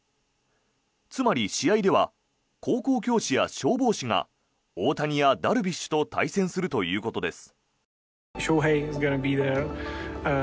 つまり、試合では高校教師や消防士が大谷やダルビッシュと対戦するということです。